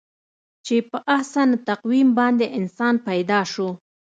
چې په احسن تقویم باندې انسان پیدا شو.